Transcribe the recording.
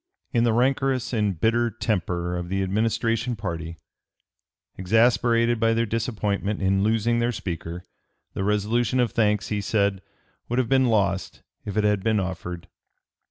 "In the rancorous and bitter temper of the Administration party, exasperated by their disappointment in losing their Speaker, the resolution of thanks," he said, "would have been lost if it had been offered."